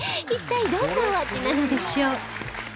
一体どんなお味なのでしょう？